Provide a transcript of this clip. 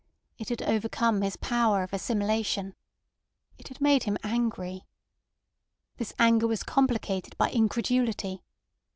It had overcome his power of assimilation. It had made him angry. This anger was complicated by incredulity.